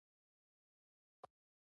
دا په خلکو باندې د توکو د پلورلو پروسه ده